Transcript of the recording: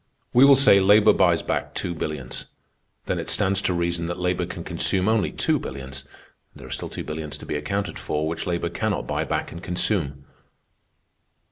We will say labor buys back two billions. Then it stands to reason that labor can consume only two billions. There are still two billions to be accounted for, which labor cannot buy back and consume."